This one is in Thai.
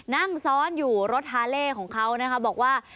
นั่งซ้อนอยู่รถฮาเล่ของเขานะคะบอกว่า